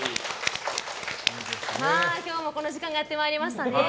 今日もこの時間がやってまいりましたね。